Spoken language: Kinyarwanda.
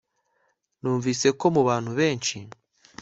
Numvise ko mubantu benshi